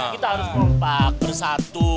kita harus rompak bersatu